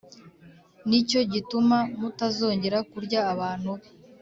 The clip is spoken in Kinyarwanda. ni cyo gituma mutazongera kurya abantu be